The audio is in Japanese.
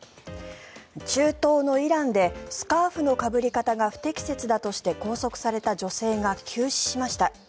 中東のイランでスカーフのかぶり方が不適切だとして拘束された女性が急死しました。